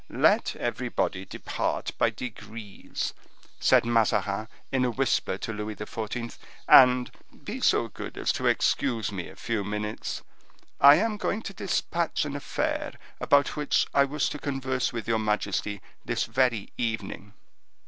"Let everybody depart by degrees," said Mazarin in a whisper to Louis XIV., "and be so good as to excuse me a few minutes. I am going to dispatch an affair about which I wish to converse with your majesty this very evening."